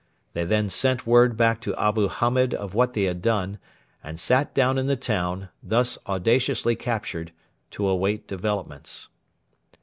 They then sent word back to Abu Hamed of what they had done, and sat down in the town, thus audaciously captured, to await developments.